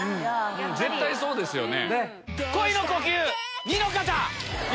絶対そうですよね。